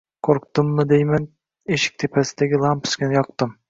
Qo‘rqdimmi deyman, eshik tepasidagi lampochkani yoqdim.